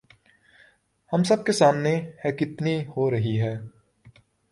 ہم سب کے سامنے ہے کتنی ہو رہی